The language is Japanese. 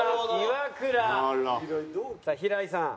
さあ平井さん